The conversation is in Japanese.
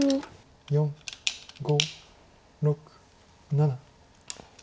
４５６７。